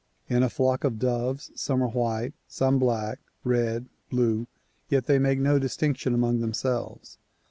In a flock of doves some are white, some black, red, blue, yet they make no distinction among themselves.